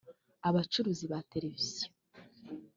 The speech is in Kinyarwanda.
abacuruzi ba televiziyo